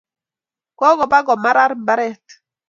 Kokopa komarar mbaret